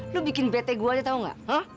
lo bikin bete gue aja tau gak